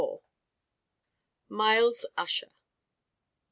MYLES USSHER.